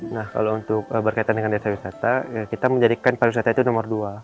nah kalau untuk berkaitan dengan desa wisata kita menjadikan pariwisata itu nomor dua